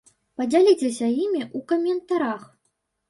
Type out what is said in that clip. Падзяліцеся імі ў каментарах!